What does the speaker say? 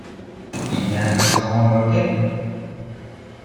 Il y a un restaurant dans l'hôtel ?